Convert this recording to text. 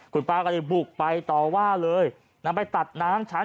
คุณป้าก็เลยบุกไปต่อว่าเลยนำไปตัดน้ำฉัน